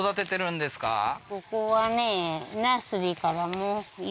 ここはね